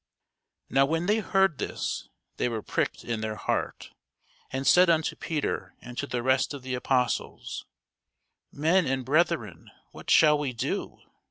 Now when they heard this, they were pricked in their heart, and said unto Peter and to the rest of the apostles, Men and brethren, what shall we do?